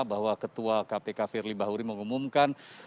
bahwa ketua kpk firly bahuri mengumumkan